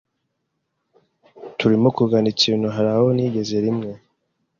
Turimo kugana ikintu Hari aho ntigeze Rimwe